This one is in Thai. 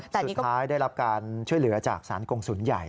สุดท้ายได้รับการช่วยเหลือจากสารกงศูนย์ใหญ่